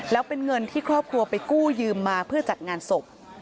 แล้วเป็นเงินที่ครอบครัวไปกู้ยืมมาเพื่อจัดงานศพ